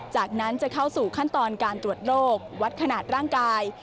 จากนั้นจะเข้าสู่ขั้นตอนการตรวจโรควัดขนาดร่างกาย